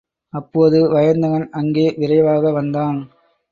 அப்போது வயந்தகன் அங்கே விரைவாக வந்தான்.